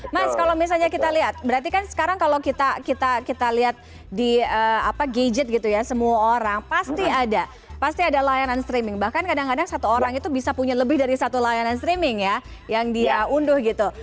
mas kalau misalnya kita lihat berarti kan sekarang kalau kita lihat di gadget gitu ya semua orang pasti ada pasti ada layanan streaming bahkan kadang kadang satu orang itu bisa punya lebih dari satu layanan streaming ya yang dia unduh gitu